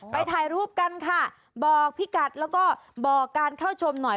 ถ่ายรูปกันค่ะบอกพี่กัดแล้วก็บอกการเข้าชมหน่อย